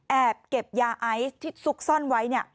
เก็บยาไอซ์ที่ซุกซ่อนไว้